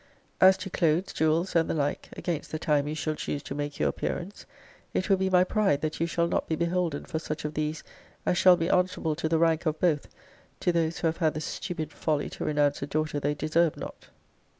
'As to clothes, jewels, and the like, against the time you shall choose to make your appearance, it will be my pride that you shall not be beholden for such of these, as shall be answerable to the rank of both, to those who have had the stupid folly to renounce a daughter they deserved not.